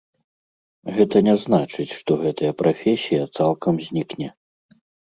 Гэта не значыць, што гэтая прафесія цалкам знікне.